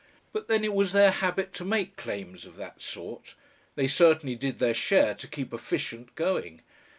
But then it was their habit to make claims of that sort. They certainly did their share to keep "efficient" going.